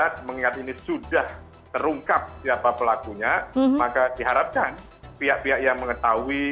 jika peringatan ini sudah terungkap siapa pelakunya maka diharapkan pihak pihak yang mengetahui